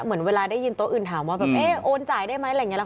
เหมือนเวลาได้ยินโต๊ะอื่นถามว่าแบบเอ๊ะโอนจ่ายได้ไหมอะไรอย่างนี้